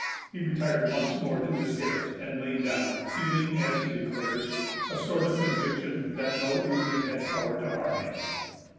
He retired once more to his garret, and lay down, feeling, as he declares, a sort of conviction that no Indian had power to harm him.